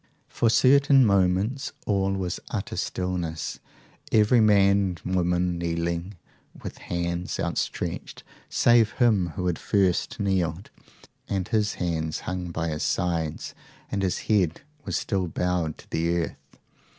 "'For certain moments all was utter stillness every man and woman kneeling, with hands outstretched, save him who had first kneeled, and his hands hung by his sides and his head was still bowed to the earth.